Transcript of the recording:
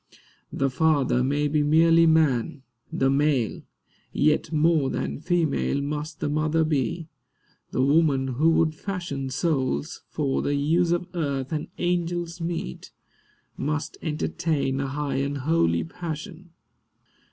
The father may be merely man, the male; Yet more than female must the mother be. The woman who would fashion Souls, for the use of earth and angels meet, Must entertain a high and holy passion.